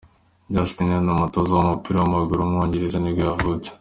Justin Edinburgh, umutoza w’umupira w’amaguru w’umwongereza nibwo yavutse.